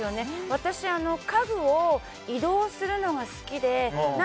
私、家具を移動するのが好きで。